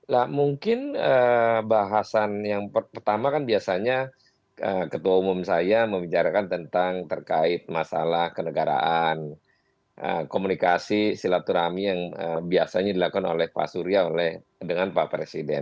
lah mungkin bahasan yang pertama kan biasanya ketua umum saya membicarakan tentang terkait masalah kenegaraan komunikasi silaturahmi yang biasanya dilakukan oleh pak surya dengan pak presiden